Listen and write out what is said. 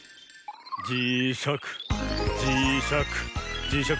じしゃくじしゃくじしゃく